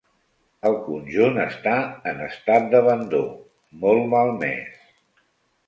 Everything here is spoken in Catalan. El conjunt està en estat d'abandó, molt malmès.